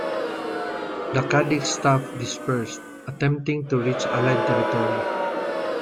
The "Cadix" staff dispersed, attempting to reach Allied territory.